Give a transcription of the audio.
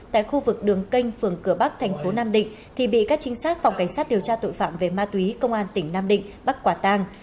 tại khu vực đường kênh phường cửa bắc thành phố nam định thì bị các trinh sát phòng cảnh sát điều tra tội phạm về ma túy công an tỉnh nam định bắt quả tang